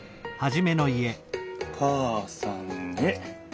「母さんへ。